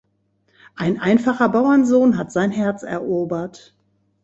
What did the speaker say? Ein einfacher Bauernsohn hat sein Herz erobert.